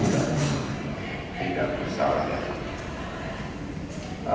tidak bersalah ya